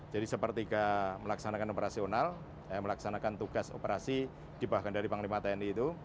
jadi sepertiga melaksanakan operasional melaksanakan tugas operasi dibahkan dari panglima tni itu